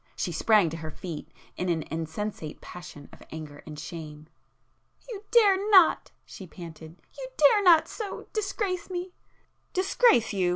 She sprang to her feet in an insensate passion of anger and shame. "You dare not!" she panted—"You dare not so ... disgrace me!" "Disgrace you!"